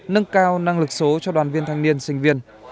nâng cao năng lực số cho đoàn viên thanh niên sinh viên